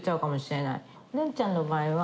恋ちゃんの場合は。